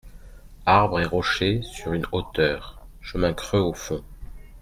Arbres et rochers sur une hauteur. — Chemin creux au fond.